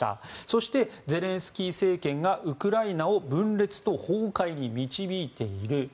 そして、ゼレンスキー政権がウクライナを分裂と崩壊に導いている。